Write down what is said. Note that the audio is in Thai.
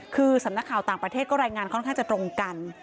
คือสำนักข่าวต่างประเทศก็รายงานค่อนข้างจะตรงกัน